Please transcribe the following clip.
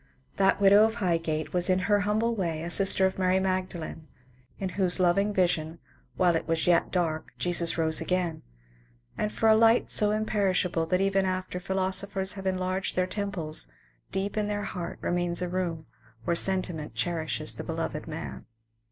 That widow of Highgate was in her humble way a sister of Maiy Magdalene, in whose loving vision, '^ while it was yet dark," Jesus rose again ; and for a light so imperishable that even after phi losophers have enlarged their temples, deep in their heart remains a room where sentiment cherishes the beloved man.